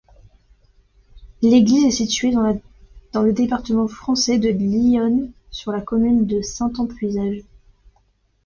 L'église est située dans le département français de l'Yonne, sur la commune de Saints-en-Puisaye.